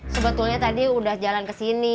sebetulnya tadi udah jalan kesini